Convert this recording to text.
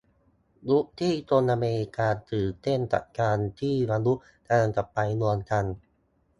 ยุคที่คนอเมริกาตื่นเต้นกับการที่มนุษย์กำลังจะไปดวงจันทร์